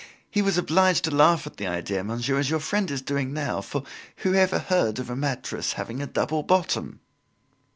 He was obliged to laugh at the idea, monsieur, as your friend is doing now, for whoever heard of a mattress having a double bottom?"